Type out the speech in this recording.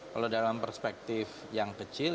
kalau dalam perspektif yang kecil